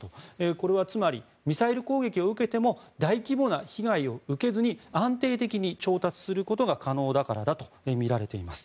これはつまりミサイル攻撃を受けても大規模な被害を受けずに安定的に調達することが可能だからだとみられています。